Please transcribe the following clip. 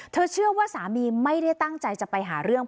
เชื่อว่าสามีไม่ได้ตั้งใจจะไปหาเรื่อง